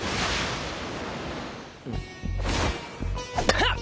ハッ！